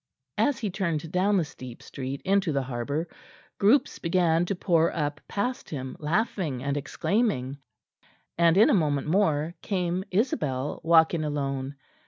As he turned down the steep street into the harbour groups began to pour up past him, laughing and exclaiming; and in a moment more came Isabel walking alone.